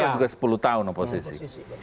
juga sepuluh tahun oposisi